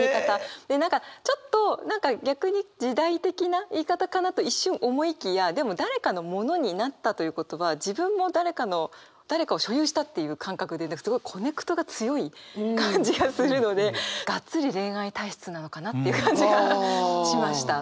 で何かちょっと逆に時代的な言い方かなと一瞬思いきやでも誰かのものになったということは自分も誰かの誰かを所有したという感覚ですごいコネクトが強い感じがするのでガッツリ恋愛体質なのかなっていう感じがしました。